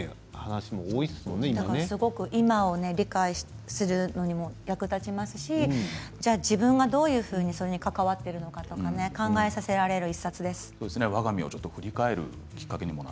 今を理解するのにも役立ちますし自分がどういうふうにそれに関わっているのか考えさせられる１冊です。